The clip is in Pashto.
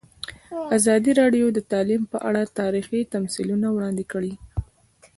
ازادي راډیو د تعلیم په اړه تاریخي تمثیلونه وړاندې کړي.